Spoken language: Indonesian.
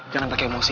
jangan pake emosi